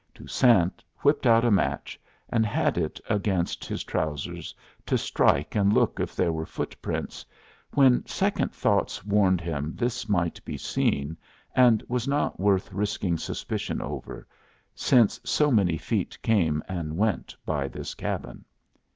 Toussaint whipped out a match, and had it against his trousers to strike and look if there were footprints, when second thoughts warned him this might be seen, and was not worth risking suspicion over, since so many feet came and went by this cabin.